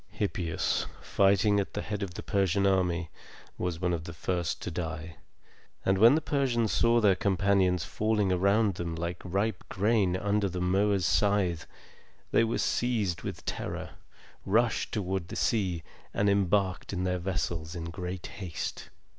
Hippias, fighting at the head of the Persian army, was one of the first to die; and when the Persians saw their companions falling around them like ripe grain under the mower's scythe, they were seized with terror, rushed toward the sea, and embarked in their vessels in great haste.